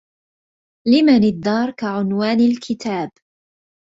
لمن الدار كعنوان الكتاب